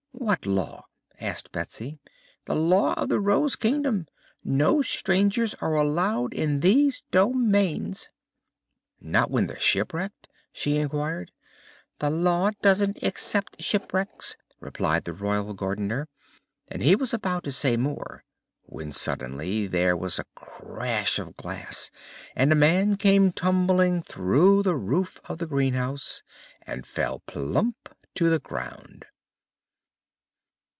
"What Law?" asked Betsy. "The Law of the Rose Kingdom. No strangers are allowed in these domains." "Not when they're shipwrecked?" she inquired. "The Law doesn't except shipwrecks," replied the Royal Gardener, and he was about to say more when suddenly there was a crash of glass and a man came tumbling through the roof of the greenhouse and fell plump to the ground.